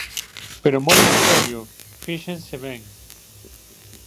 ¡Pero moi en serio!, fíxense ben.